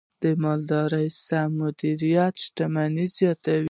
د مالدارۍ سم مدیریت شتمني زیاتوي.